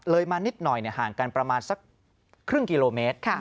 มานิดหน่อยห่างกันประมาณสักครึ่งกิโลเมตร